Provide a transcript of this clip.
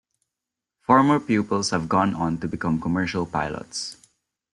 Former pupils have gone on to become commercial pilots.